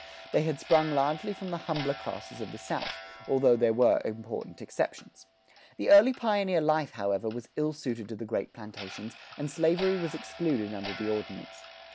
They had sprung largely from the humbler classes of the South, although there were important exceptions. The early pioneer life, however, was ill suited to the great plantations, and slavery was excluded under the Ordinance.